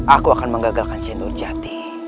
aku akan mengagalkan si indurjati